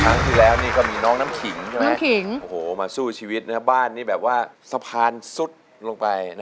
ครั้งที่แล้วนี่ก็มีน้องน้ำขิงใช่ไหมมาสู้ชีวิตบ้านนี่แบบว่าสะพานซุดลงไป